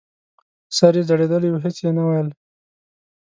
سر یې ځړېدلی و هېڅ یې نه ویل !